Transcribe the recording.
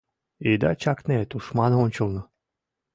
Ида чакне тушман ончылно!